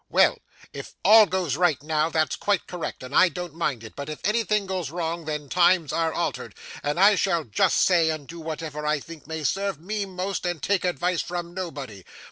Well; if all goes right now, that's quite correct, and I don't mind it; but if anything goes wrong, then times are altered, and I shall just say and do whatever I think may serve me most, and take advice from nobody.